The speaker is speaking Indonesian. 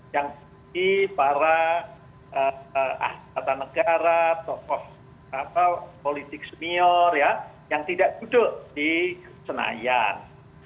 yang di para ahli kata negara atau politik senior yang tidak duduk di senayan